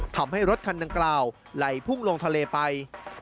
ทำให้รถคันดังกล่าวไหลพุ่งลงทะเลไป